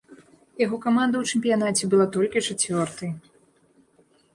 Яго каманда ў чэмпіянаце была толькі чацвёртай.